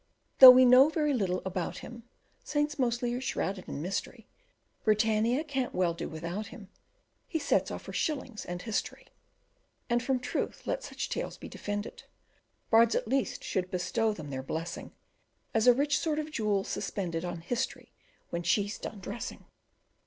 Though we know very little about him (Saints mostly are shrouded in mystery), Britannia can't well do without him, He sets off her shillings and history. And from truth let such tales be defended, Bards at least should bestow them their blessing, As a rich sort of jewel suspended On History when she's done dressing.